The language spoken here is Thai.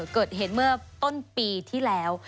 เกิดเหตุเมื่อต้นปีที่แล้ว